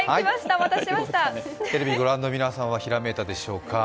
テレビをご覧の皆さんはひらめいたでしょうか。